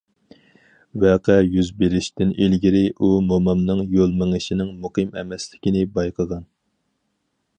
ۋەقە يۈز بېرىشتىن ئىلگىرى، ئۇ موماينىڭ يول مېڭىشىنىڭ مۇقىم ئەمەسلىكىنى بايقىغان.